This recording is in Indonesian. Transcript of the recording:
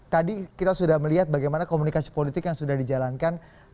tadi kita sudah melihat bagaimana komunikasi politik yang sudah dijalankan